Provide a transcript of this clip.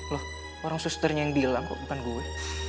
loh orang susternya yang bilang kok bukan gue